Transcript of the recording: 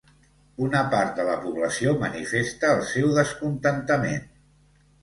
Una part de la població manifesta el seu descontentament.